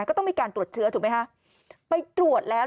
ก็ต้องมีการตรวจเชื้อถูกไหมฮะไปตรวจแล้ว